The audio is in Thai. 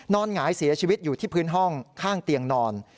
หงายเสียชีวิตอยู่ที่พื้นห้องข้างเตียงนอน